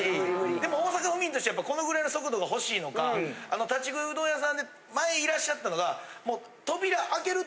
でも大阪府民としてはこのぐらいの速度がほしいのか立ち食いうどん屋さんで前いらっしゃったのがもう。